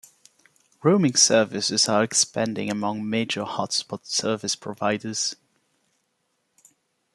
Roaming services are expanding among major hotspot service providers.